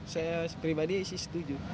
saya pribadi sih setuju